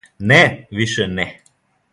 Не, више не.